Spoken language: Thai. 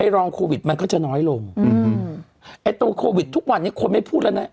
รองโควิดมันก็จะน้อยลงอืมไอ้ตัวโควิดทุกวันนี้คนไม่พูดแล้วนะ